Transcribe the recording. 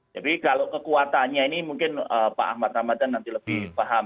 jadi kalau kekuatannya ini mungkin pak ahmad ramadan nanti lebih paham